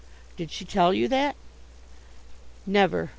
"Did she tell you that?" "Never.